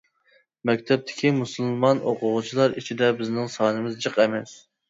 مەكتەپتىكى مۇسۇلمان ئوقۇغۇچىلار ئىچىدە بىزنىڭ سانىمىز جىق ئەمەس.